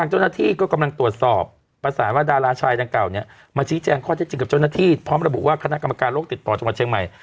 จะจึงกับเจ้าหน้าที่พร้อมระบุว่าคณะกรรมการโลกติดต่อจังหวัดเชียงใหม่